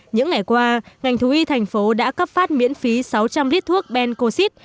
những ngày qua ngành thú y thành phố đã cấp phát miễn phí sáu trăm linh lít thuốc bencoxid